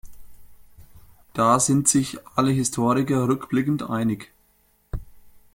Da sind sich alle Historiker rückblickend einig.